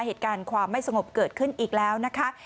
เหตุการณ์ความไม่สงบเกิดขึ้นอีกแล้วนะคะ